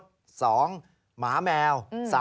หมาแมว